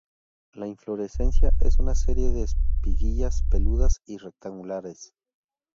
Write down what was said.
La inflorescencia es una serie de espiguillas peludas y rectangulares.